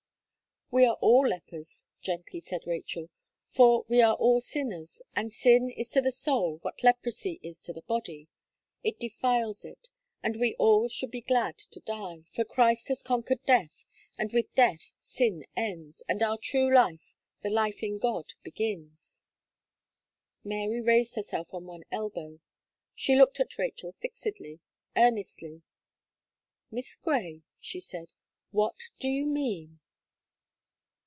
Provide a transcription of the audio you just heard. "We are all lepers," gently said Rachel, "for we are all sinners, and sin is to the soul what leprosy is to the body; it defiles it, and we all should be glad to die; for Christ has conquered death, and with death sin ends, and our true life, the life in God begins." Mary raised herself on one elbow. She looked at Rachel fixedly, earnestly; "Miss Gray," she said; "what do you mean?"